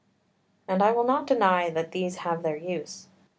] 4 And I will not deny that these have their use.